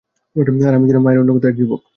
আর আমি ছিলাম মায়ের অনুগত এক যুবক।